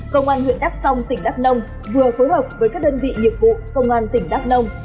công an huyện đắk song tỉnh đắk nông vừa phối hợp với các đơn vị nghiệp vụ công an tỉnh đắk nông